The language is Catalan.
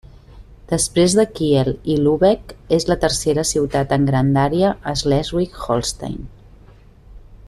Després de Kiel i Lübeck és la tercera ciutat en grandària a Schleswig-Holstein.